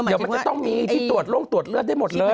เดี๋ยวมันจะต้องมีที่ตรวจโล่งตรวจเลือดได้หมดเลย